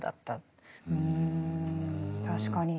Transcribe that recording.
確かに。